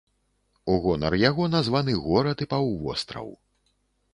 У гонар яго названы горад і паўвостраў.